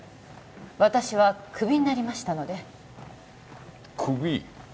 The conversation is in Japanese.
私はクビになりましたのでクビ？